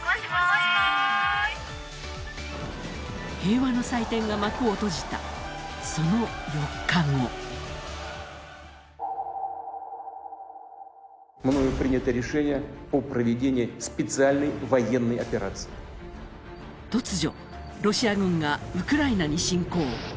平和の祭典が幕を閉じた、その４日後突如、ロシア軍がウクライナに侵攻。